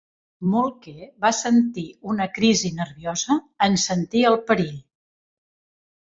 Moltke va patir una crisi nerviosa en sentir el perill.